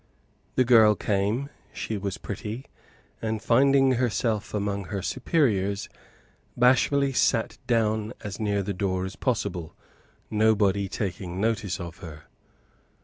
The girl came; she was pretty; and finding herself among her superiors, bashfully sat down as near the door as possible, nobody taking notice of her.